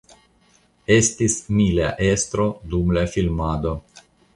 Estis "mi" la estro dum la filmado.